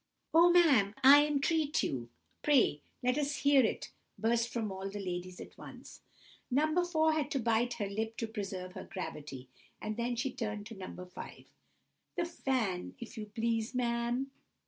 "Oh, ma'am, I entreat you—pray let us hear it!" burst from all the ladies at once. No. 4 had to bite her lip to preserve her gravity, and then she turned to No. 5— "The fan, if you please, ma'am!"